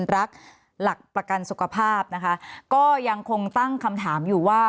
หลักหลักประกันสุขภาพนะคะก็ยังคงตั้งคำถามอยู่ว่า